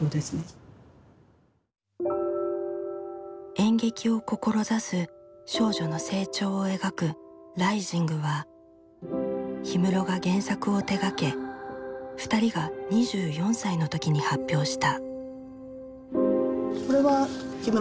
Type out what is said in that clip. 演劇を志す少女の成長を描く「ライジング！」は氷室が原作を手がけ２人が２４歳の時に発表した。